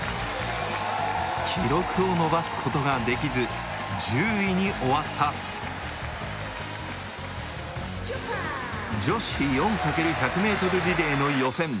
記録を伸ばすことができず１０位に終わった女子４×１００ｍリレーの予選